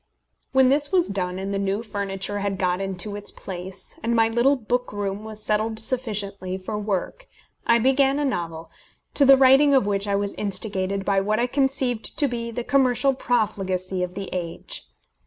When this was done, and the new furniture had got into its place, and my little book room was settled sufficiently for work, I began a novel, to the writing of which I was instigated by what I conceived to be the commercial profligacy of the age.